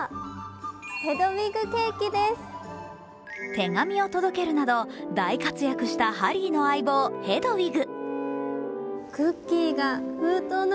手紙を届けるなど大活躍したハリーの相棒・ヘドウィグ。